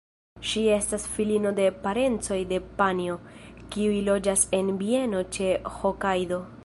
Ŝi estas filino de parencoj de Panjo, kiuj loĝas en bieno ĉe Hokajdo.